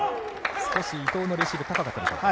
少し伊藤のレシーブが高かったでしょうか。